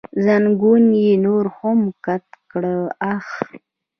زنګون یې نور هم کت کړ، اخ.